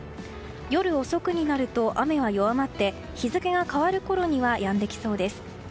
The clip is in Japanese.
夜遅くになると雨は弱まって日付が変わるころにはやんできそうです。